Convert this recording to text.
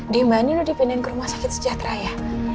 d bu andien dipindahin ke rumah sakit sejahtera ya